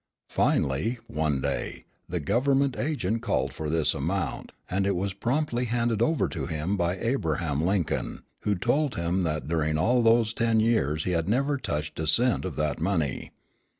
Finally, one day, the government agent called for this amount; and it was promptly handed over to him by Abraham Lincoln, who told him that during all those ten years he had never touched a cent of that money.